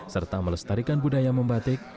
serta melestarikan budaya membatik